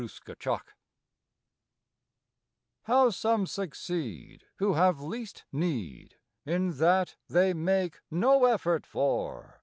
SUCCESS How some succeed who have least need, In that they make no effort for!